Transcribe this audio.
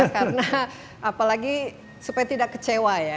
karena apalagi supaya tidak kecewa ya